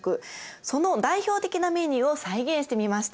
その代表的なメニューを再現してみました。